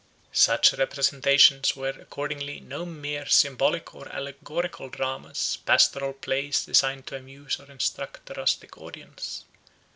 Such representations were accordingly no mere symbolic or allegorical dramas, pastoral plays designed to amuse or instruct a rustic audience.